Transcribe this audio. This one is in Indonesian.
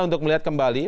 untuk melihat kembali